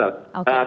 ya ada sebenarnya